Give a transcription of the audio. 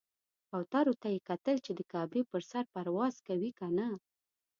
کوترو ته یې کتل چې د کعبې پر سر پرواز کوي کنه.